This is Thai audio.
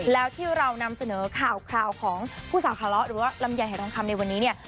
แล้วที่เรานำเสนอข่าวของผู้สาวขาเลาะหรือว่าลำไยหายทองคำในวันนี้เนี่ย